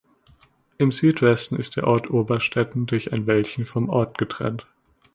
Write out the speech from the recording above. Im Südwesten ist der Ort Oberstetten durch ein Wäldchen vom Ort getrennt.